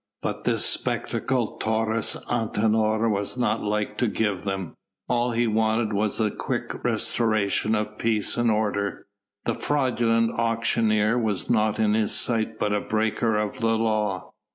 But this spectacle Taurus Antinor was not like to give them. All he wanted was the quick restoration of peace and order. The fraudulent auctioneer was naught in his sight but a breaker of the law.